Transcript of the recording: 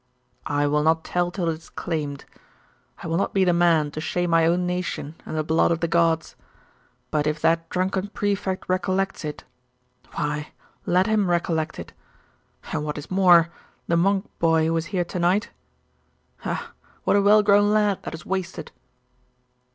'I will not tell till it is claimed. I will not be the man to shame my own nation and the blood of the gods. But if that drunken Prefect recollects it why let him recollect it. And what is more, the monk boy who was here to night ' 'Ah, what a well grown lad that is wasted!